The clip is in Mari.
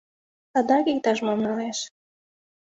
Садак иктаж-мом налеш.